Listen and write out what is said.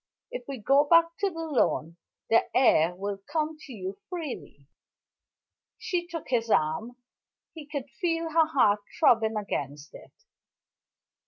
If we go back to the lawn, the air will come to you freely." She took his arm; he could feel her heart throbbing against it.